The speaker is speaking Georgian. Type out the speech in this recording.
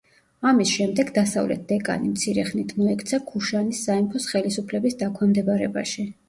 ამის შემდეგ დასავლეთ დეკანი მცირე ხნით მოექცა ქუშანის სამეფოს ხელისუფლების დაქვემდებარებაში.